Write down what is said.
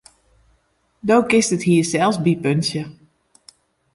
Do kinst it hier sels bypuntsje.